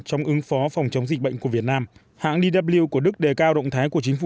trong ứng phó phòng chống dịch bệnh của việt nam hãng dw của đức đề cao động thái của chính phủ